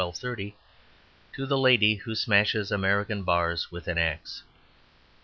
30, to the lady who smashes American bars with an axe.